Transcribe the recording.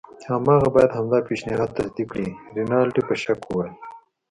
هماغه باید همدا پیشنهاد تصدیق کړي. رینالډي په شک وویل.